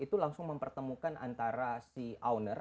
itu langsung mempertemukan antara si owner